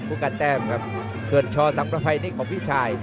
เผื่อชสังประภัยนี่ของพี่ชาย